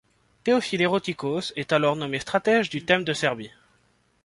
Théophile Érotikos est alors nommé stratège du thème de Serbie.